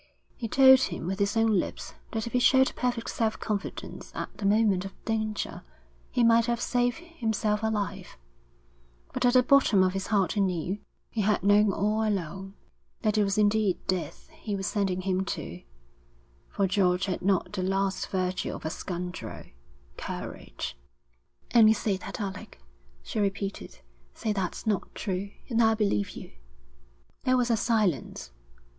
He told him with his own lips that if he showed perfect self confidence at the moment of danger he might save himself alive; but at the bottom of his heart he knew, he had known all along, that it was indeed death he was sending him to, for George had not the last virtue of a scoundrel, courage. 'Only say that, Alec,' she repeated. 'Say that's not true, and I'll believe you.' There was a silence.